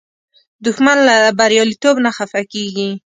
دښمن له بریالیتوب نه خفه کېږي